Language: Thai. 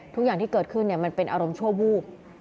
ทุกอย่างที่เกิดขึ้นมันเป็นอารมณ์ชั่ววูบ